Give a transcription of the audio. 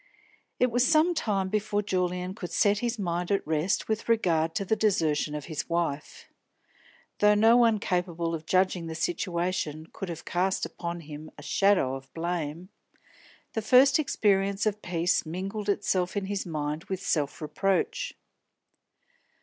It was some time before Julian could set his mind at rest with regard to the desertion of his wife. Though no one capable of judging the situation could have cast upon him a shadow of blame, the first experience of peace mingled itself in his mind with self reproach.